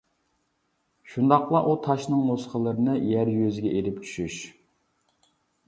شۇنداقلا ئۇ تاشنىڭ نۇسخىلىرىنى يەر يۈزىگە ئېلىپ چۈشۈش.